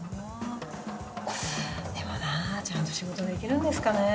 でもなちゃんと仕事できるんですかね？